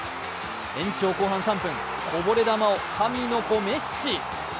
延長後半３分、こぼれ球を神の子・メッシ。